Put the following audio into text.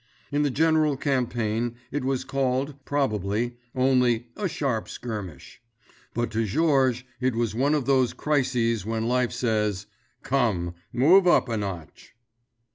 In the general campaign it was called, probably, only "a sharp skirmish." But, to Georges, it was one of those crises when life says: "Come! Move up a notch!"